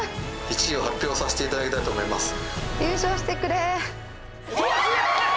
１位を発表させていただきたいと思います